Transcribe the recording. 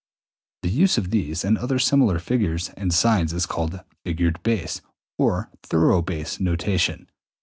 The use of these and other similar figures and signs is called figured bass (or thorough bass) notation.